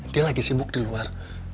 dia lagi sibuk di luar